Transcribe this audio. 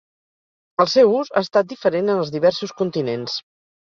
El seu ús ha estat diferent en els diversos continents.